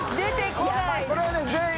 これはね全員。